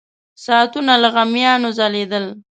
ساعتونه له غمیانو ځلېدل.